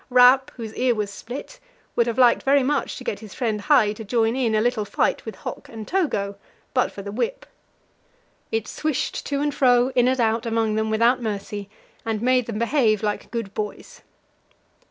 Rap, whose ear was split, would have liked very much to get his friend Hai to join in a little fight with Hok and Togo, but for the whip. It swished to and fro, in and out, among them without mercy, and made them behave like good boys.